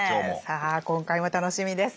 さあ今回も楽しみです。